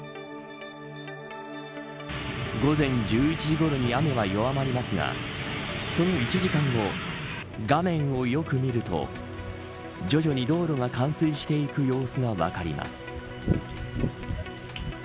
午前１１時ごろに雨は弱まりますがその１時間後画面をよく見ると徐々に道路が冠水していく様子が分かります。